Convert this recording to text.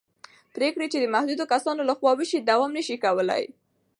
پرېکړې چې د محدودو کسانو له خوا وشي دوام نه شي کولی